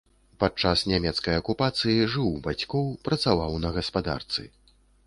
Падчас нямецкай акупацыі жыў у бацькоў, працаваў на гаспадарцы.